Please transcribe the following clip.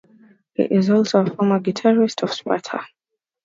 He is also a former guitarist of Sparta.